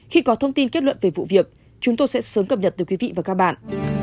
khi có thông tin kết luận về vụ việc chúng tôi sẽ sớm cập nhật từ quý vị và các bạn